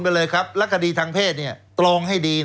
แล้วเขาก็ใช้วิธีการเหมือนกับในการ์ตูน